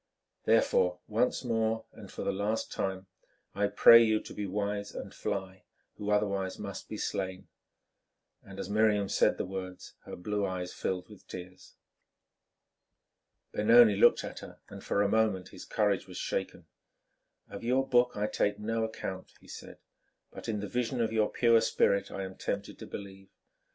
Therefore, once more, and for the last time, I pray you to be wise and fly—who otherwise must be slain"; and as Miriam said the words her blue eyes filled with tears. Benoni looked at her and for a moment his courage was shaken. "Of your book I take no account," he said, "but in the vision of your pure spirit I am tempted to believe.